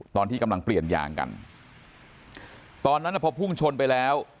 ตอนที่กำลังเปลี่ยนยางกันตอนนั้นพอพุ่งชนไปแล้ว